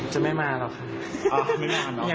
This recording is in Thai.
จะไม่มาหรอค่ะ